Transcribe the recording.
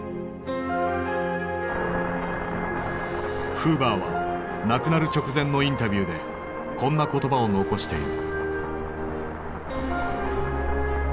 フーバーは亡くなる直前のインタビューでこんな言葉を残している。